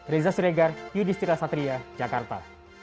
reza suregar yudhistira satria jakarta